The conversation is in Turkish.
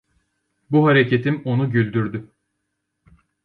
Bu hareketim onu güldürdü.